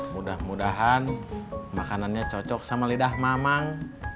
mudah mudahan makanannya cocok sama lidah mamang